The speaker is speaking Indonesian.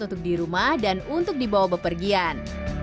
untuk di rumah dan untuk dibawa bepergian